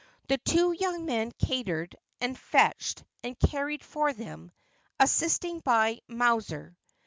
The two young men catered, and fetched and carried for them, assisted by Mowser.